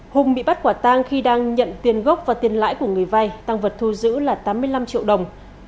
hùng bị bắt quả tang khi đang nhận tiền gốc và tiền lãi của người vay tăng vật thu giữ là tám mươi năm triệu đồng